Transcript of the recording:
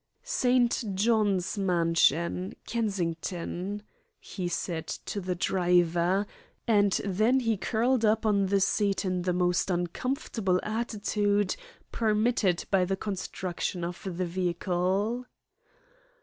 "St John's Mansions, Kensington," he said to the driver, and then he curled up on the seat in the most uncomfortable attitude permitted by the construction of the vehicle.